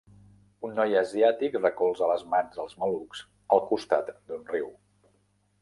Un noi asiàtic recolza les mans als malucs al costat d'un riu.